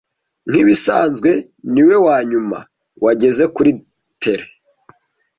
Nkibisanzwe, niwe wanyuma wageze kuri theatre.